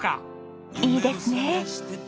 いいですね！